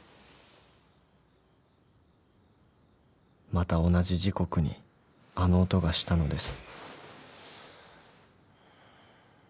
・・［また同じ時刻にあの音がしたのです］